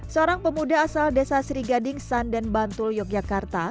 seorang pemuda asal desa srigading sanden bantul yogyakarta